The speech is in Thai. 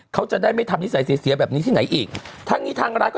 เขาจะได้ไม่ทำนิสัยเสียเสียแบบนี้ที่ไหนอีกทั้งนี้ทางร้านก็